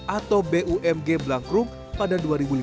atau bumg blangkrum pada dua ribu lima belas